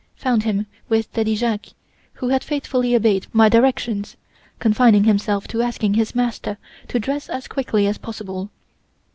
I found him with Daddy Jacques, who had faithfully obeyed my directions, confining himself to asking his master to dress as quickly as possible.